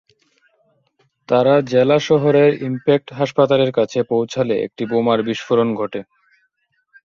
তাঁরা জেলা শহরের ইমপ্যাক্ট হাসপাতালের কাছে পৌঁছালে একটি বোমার বিস্ফোরণ ঘটে।